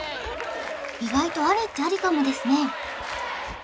意外とありっちゃありかもですね